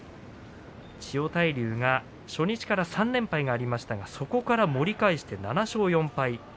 千代大龍、初日から３連敗がありましたがそこから盛り返しました７勝４敗です。